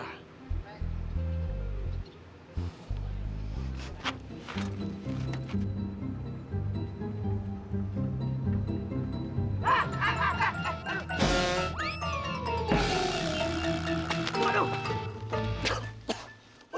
hah hah hah